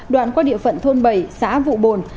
đoạn qua địa phận thôn bẩy xã vụ bồn